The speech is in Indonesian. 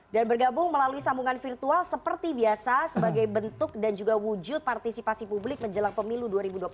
dan bergabung melalui sambungan virtual seperti biasa sebagai bentuk dan juga wujud partisipasi publik menjelang pemilu dua ribu dua puluh empat